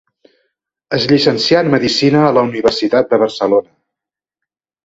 Es llicencià en medicina a la Universitat de Barcelona.